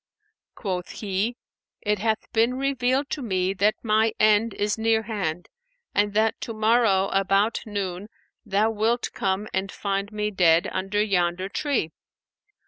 Quoth he, 'It hath been revealed to me that my end is nearhand and that to morrow about noon thou wilt come and find me dead under yonder tree.